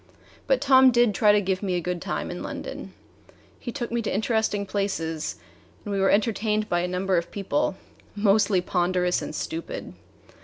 But Tom did try to give me a good time in London. He took me to interesting places and we were entertained by a number of people, mostly ponderous and stupid.